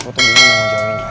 gue tuh bingung mau jauhin reva